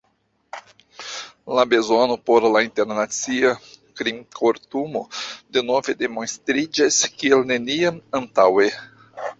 La bezono por la Internacia Krimkortumo denove demonstriĝas kiel neniam antaŭe.